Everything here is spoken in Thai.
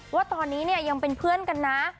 ว่าตอนนี้เนี่ยยังเป็นเพื่อนกันนะ